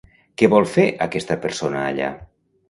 Què vol fer aquesta persona allà?